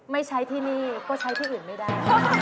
ไม่ใช้ที่นี่ก็ใช้ที่อื่นไม่ได้